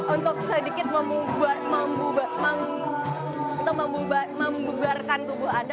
untuk sedikit membuarkan tubuh anda